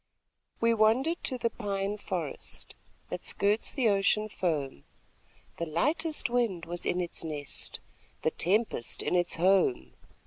We wandered to the pine forest, That skirts the ocean foam. The lightest wind was in its nest, The tempest in its home.